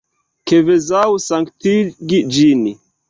Kvazaŭ sanktigi ĝin.